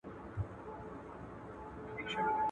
اوس د شپېتو بړیڅو توري هندوستان ته نه ځي.